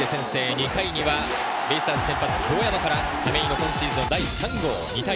２回にはベイスターズ先発・京山から亀井の今シーズン第３号。